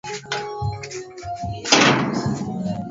Kwa ushauri zaidi onana na wataalamu wa mifugo